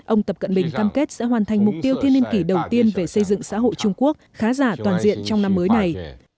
ông tập cận bình cam kết sẽ hoàn thành mục tiêu thiên niên kỷ đầu tiên về xây dựng xã hội trung quốc khá giả toàn diện trong năm mới này